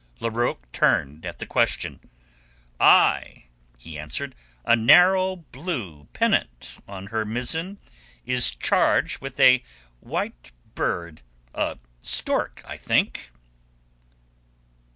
Larocque turned at the question. "Ay," he answered, "a narrow blue pennant on her mizzen is charged with a white bird—a stork, I think."